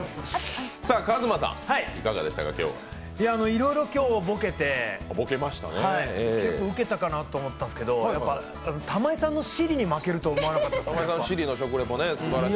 いろいろ今日、ボケて結構ウケたかなと思ったんですけど玉井さんのＳｉｒｉに負けるとは思わなかったですね。